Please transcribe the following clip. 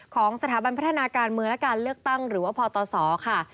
ของสถาบันพัฒนาการเมืองและการเลือกตั้งหรือว่าพตศค่ะ